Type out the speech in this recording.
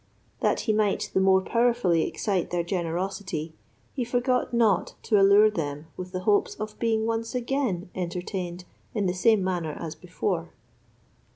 That he might the more powerfully excite their generosity, he forgot not to allure them with the hopes of being once again entertained in the same manner as before.